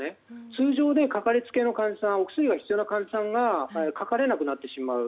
通常で、かかりつけの患者さんお薬が必要な患者さんがかかれなくなってしまう。